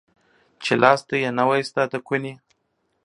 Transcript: چي لاستى يې نه واى ستا د کوني.